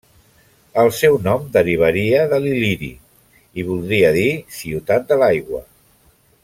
El seu nom derivaria de l'il·liri i voldria dir 'ciutat de l'aigua'.